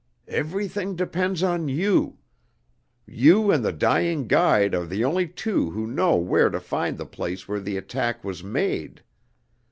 Everything depends on you. You and the dying guide are the only two who know where to find the place where the attack was made.